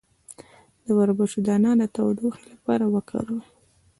د وربشو دانه د تودوخې لپاره وکاروئ